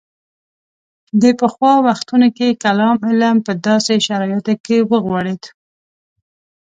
د پخوا وختونو کې کلام علم په داسې شرایطو کې وغوړېد.